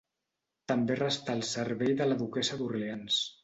També restà al servei de la duquessa d'Orleans.